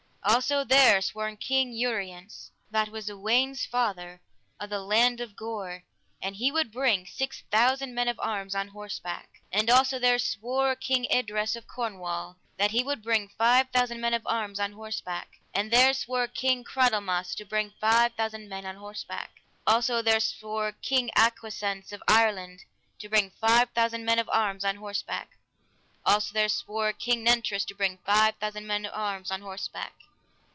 Also there swore King Urience, that was Sir Uwain's father, of the land of Gore, and he would bring six thousand men of arms on horseback. Also there swore King Idres of Cornwall, that he would bring five thousand men of arms on horseback. Also there swore King Cradelmas to bring five thousand men on horseback. Also there swore King Agwisance of Ireland to bring five thousand men of arms on horseback. Also there swore King Nentres to bring five thousand men of arms on horseback.